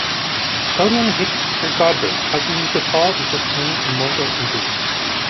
Skullion hits Sir Godber, causing him to fall and sustain a mortal injury.